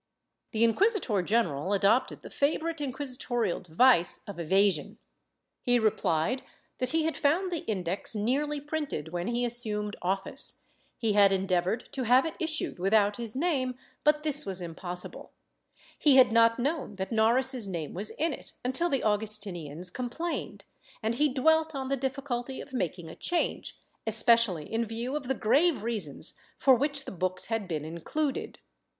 ^ The inquisitor general adopted the favorite inquisitorial device of evasion. He replied that he had found the Index nearly printed when he assumed office; he had endeavored to have it issued with out his name, but this was impossible; he had not known that Noris's name was in it until the Augustinians complained, and he dwelt on the difficulty of making a change, especiafiy in view of the grave reasons for which the books had been included.